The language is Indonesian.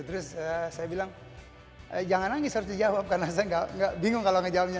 terus saya bilang jangan nangis harus dijawab karena saya bingung kalau nangis jawabnya